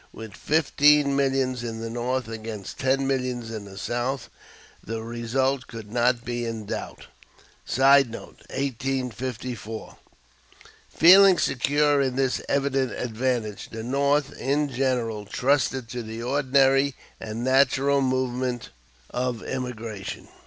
With fifteen millions in the North against ten millions in the South, the result could not be in doubt. [Sidenote: 1854.] Feeling secure in this evident advantage, the North, in general, trusted to the ordinary and natural movement of emigration.